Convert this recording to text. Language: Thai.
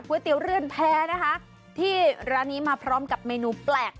เตี๋ยวเรือนแพ้นะคะที่ร้านนี้มาพร้อมกับเมนูแปลก